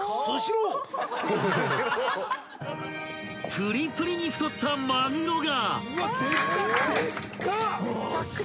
［プリプリに太ったまぐろが！］